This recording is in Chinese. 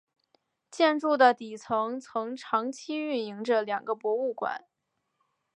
建筑的底层曾长期运营着两个博物馆。